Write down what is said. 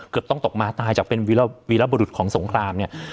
ต้องตกมาตายจากเป็นวีรบุรุษของสงครามเนี่ย